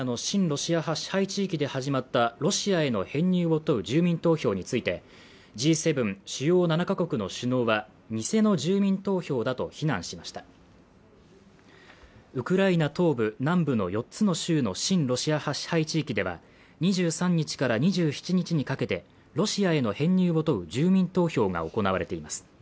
ロシア派支配地域で始まったロシアへの編入を問う住民投票についてＧ７＝主要７か国の首脳は偽の住民投票だと非難しましたウクライナ東部、南部の４つの州の親ロシア派支配地域では２３日から２７日にかけてロシアへの編入を問う住民投票が行われています